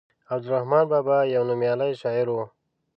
عبدالرحمان بابا يو نوميالی شاعر وو.